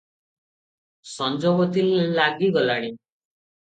ସଞ୍ଜବତୀ ଲଗି ଗଲାଣି ।